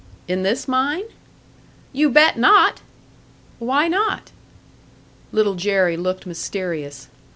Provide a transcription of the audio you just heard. "In this mine?" "You bet not!" "Why not?" Little Jerry looked mysterious.